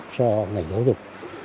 cho người giáo dục